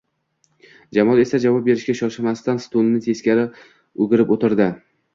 Jamol esa javob berishga shoshmasdan stulni teskari o`girib o`tirdi